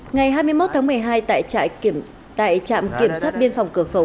ngày hai mươi một tháng một mươi hai tại trạm kiểm soát biên phòng cửa khẩu